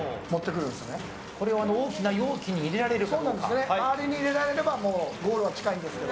これを大きな容器に入れられるか。